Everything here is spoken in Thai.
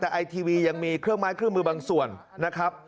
แต่ไอทีวียังมีเครื่องไม้เครื่องมือบางส่วนนะครับ